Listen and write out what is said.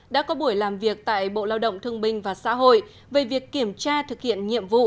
đã có buổi làm việc tại bộ lao động thương binh và xã hội về việc kiểm tra thực hiện nhiệm vụ